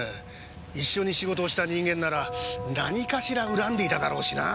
一緒に仕事をした人間なら何かしら恨んでいただろうしなぁ。